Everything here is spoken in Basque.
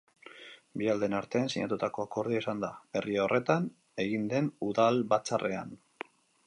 Bi aldeen artean sinatutako akordioa izan da, herri horretan egin den udalbatzarrean.